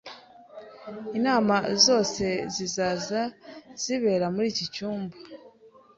Inama zose zizaza zizabera muri iki cyumba